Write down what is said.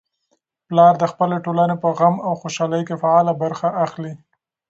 پلار د خپلې ټولنې په غم او خوشالۍ کي فعاله برخه اخلي.